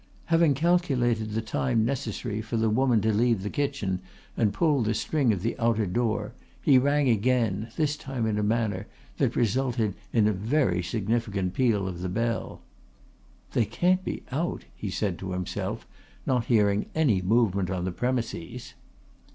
Having calculated the time necessary for the woman to leave the kitchen and pull the string of the outer door, he rang again, this time in a manner that resulted in a very significant peal of the bell. "They can't be out," he said to himself, not hearing any movement on the premises.